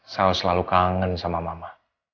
saya selalu kangen sama mama